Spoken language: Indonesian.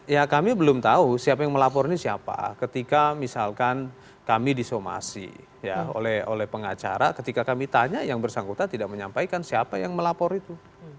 ya kami belum tahu siapa yang melapor ini siapa ketika misalkan kami disomasi oleh pengacara ketika kami tanya yang bersangkutan tidak menyampaikan siapa yang melapor itu